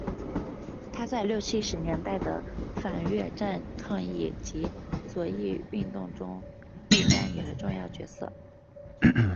他在六七十年代的反越战抗议及左翼运动中亦扮演了重要角色。